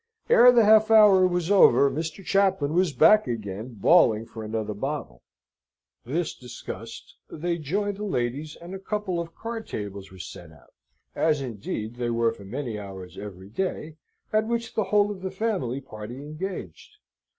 Ere the half hour was over, Mr. Chaplain was back again bawling for another bottle. This discussed, they joined the ladies, and a couple of card tables were set out, as, indeed, they were for many hours every day, at which the whole of the family party engaged.